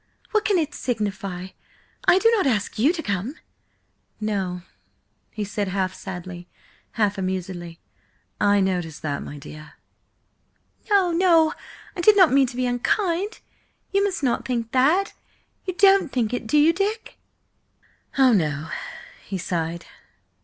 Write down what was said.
What can it signify? I do not ask you to come–" "No," he said half sadly, half amusedly. "I notice that, my dear." "No, no! I did not mean to be unkind–you must not think that! You don't think it, do you, Dick?" "Oh, no," he sighed.